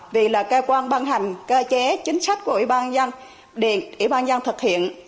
vì là cơ quan băng hành cơ chế chính sách của ủy ban nhân dân thực hiện